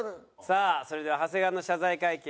さあそれでは長谷川の謝罪会見